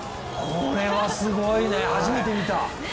これはすごいね、初めて見た！